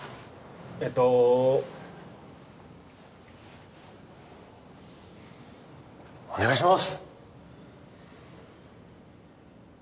えっとお願いします！